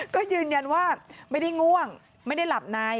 ก็ยืนยันว่าไม่ได้ง่วงไม่ได้หลับใน